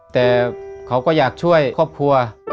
แต่เขาก็อยากช่วยครอบครัว